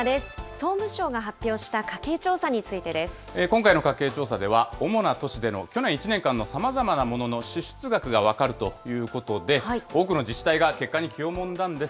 総務省が発表した家計調査につい今回の家計調査では、主な都市での去年１年間のさまざまなものの支出額が分かるということで、多くの自治体が結果に気をもんだんです。